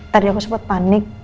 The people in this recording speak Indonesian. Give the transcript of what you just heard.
tadi aku sempat panik